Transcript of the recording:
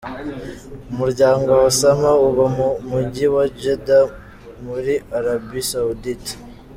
Umuryango wa Osama uba mu mujyi wa Jeddah muri Arabie Saoudite.